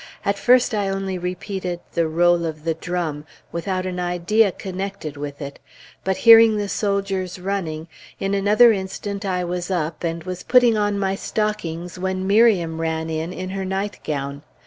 At first I only repeated "The roll of the drum," without an idea connected with it; but hearing the soldiers running, in another instant I was up, and was putting on my stockings when Miriam ran in, in her nightgown.